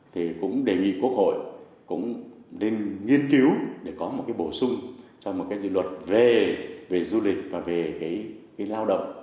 thì cũng đề nghị quốc hội cũng nên nghiên cứu để có một cái bổ sung cho một cái luật về du lịch và về cái lao động